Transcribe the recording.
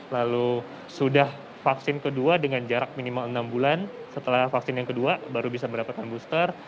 lalu sudah vaksin kedua dengan jarak minimal enam bulan setelah vaksin yang kedua baru bisa mendapatkan booster